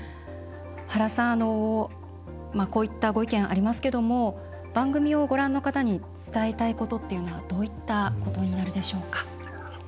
原さん、こういったご意見ありますけども番組をご覧の方に伝えたいことというのはどういったことになるでしょうか。